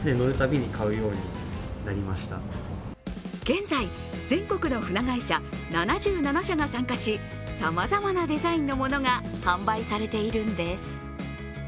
現在、全国の船会社７７社が参加しさまざまなデザインのものが販売されているんです。